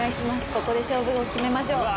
ここで勝負を決めましょう。